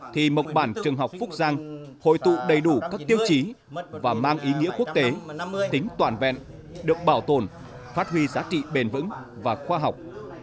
thì mộc bản trường học phúc giang hội tụ đầy đủ các tiêu chí và mang ý nghĩa quốc tế tính toàn vẹn được bảo tồn phát huy giá trị bền vững và khoa học